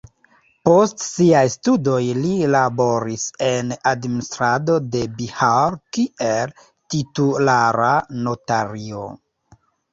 Post siaj studoj li laboris en administrado de Bihar kiel titulara notario.